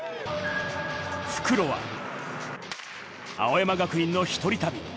復路は青山学院の一人旅。